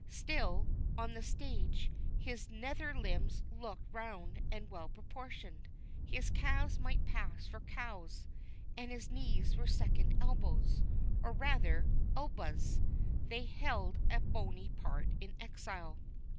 Still, on the stage, his nether limbs looked round and well proportioned. His calves might pass for cows, and his knees were second elbows, or rather, "Elba's" they held a bony part in exile.